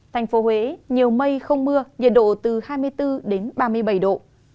thành phố huế nhiều mây không mưa nhiệt độ từ hai mươi bốn đến ba mươi bảy độ